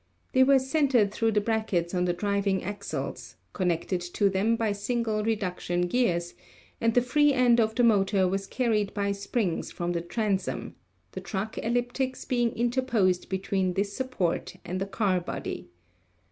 They were centered through the brackets on the driving axles, connected to them by single reduction gears, and the free end of the motor was carried by springs from the transom, the truck elliptics being interposed between this support and the car body.